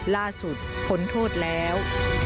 ล่าสุดผลโทษแล้ว